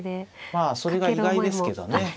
まあそれが意外ですけどね。